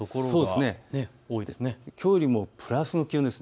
きょうよりもプラスの気温です。